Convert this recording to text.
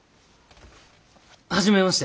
初めまして。